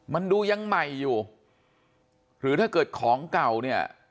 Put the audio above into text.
มันดูยังใหม่อยู่หรือถ้าเกิดของเก่าเนี่ย